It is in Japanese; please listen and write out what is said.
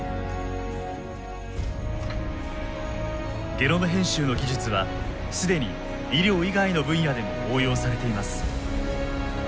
ゲノム編集の技術は既に医療以外の分野でも応用されています。